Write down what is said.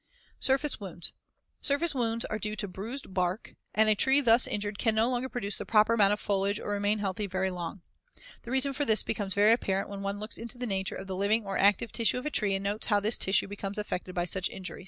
Surface wounds: Surface wounds (Fig. 116) are due to bruised bark, and a tree thus injured can no longer produce the proper amount of foliage or remain healthy very long. The reason for this becomes very apparent when one looks into the nature of the living or active tissue of a tree and notes how this tissue becomes affected by such injuries.